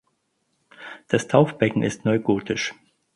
Das Taufbecken ist neugotisch.